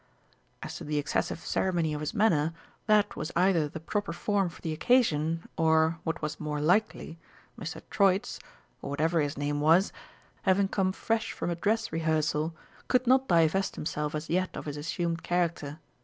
As to the excessive ceremony of his manner, that was either the proper form for the occasion, or, what was more likely, Mr. Troitz, or whatever his name was, having come fresh from a dress rehearsal, could not divest himself as yet of his assumed character.